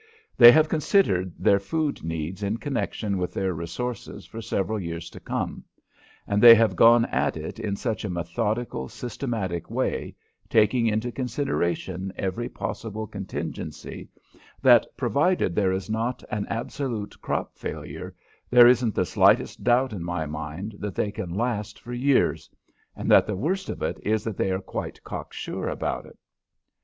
They have considered their food needs in connection with their resources for several years to come, and they have gone at it in such a methodical, systematic way, taking into consideration every possible contingency, that, provided there is not an absolute crop failure, there isn't the slightest doubt in my mind that they can last for years, and the worst of it is they are quite cocksure about it.